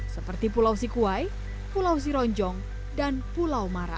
seperti pulau sikuai pulau sironjong dan pulau mara